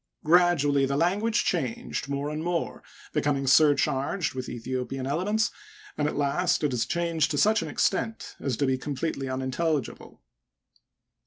Gradually the lan^a^e changed more and more, becoming surcharged with Aethiopian elements, and at last it has changed to such an extent as to be completely unintelligible.